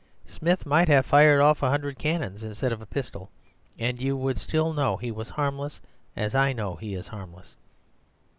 Smith might have fired off a hundred cannons instead of a pistol, and you would still know he was harmless as I know he is harmless.